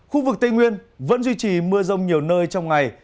khu vực tây nguyên vẫn duy trì mưa rông nhiều nơi trong ngày